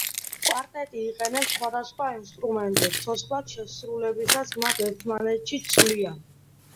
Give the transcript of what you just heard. კვარტეტი იყენებს სხვადასხვა ინსტრუმენტებს, ცოცხლად შესრულებისას მათ ერთმანეთში ცვლიან.